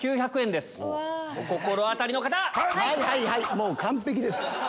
もう完璧です。